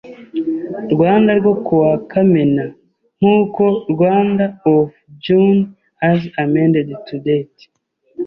Rwanda ryo ku wa Kamena nk uko Rwanda of June as amended to date